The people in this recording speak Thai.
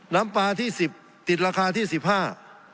น้ำปลาที่๑๐บาทติดราคาที่๑๕บาท